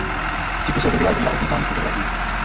V cyklu se objevila i díla od neznámých fotografů.